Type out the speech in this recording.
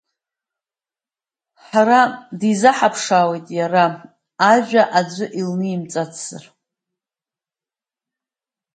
Ҳара дизаҳаԥшаауеит, иара ажәа аӡәы илнимҵацзар.